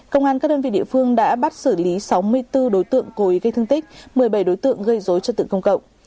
công an các đơn vị địa phương đã bắt xử lý sáu mươi bốn đối tượng cố ý gây thương tích một mươi bảy đối tượng gây dối trật tự công cộng